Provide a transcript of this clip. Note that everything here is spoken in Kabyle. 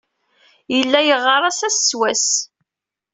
Yella yeɣɣar-as ass s wass.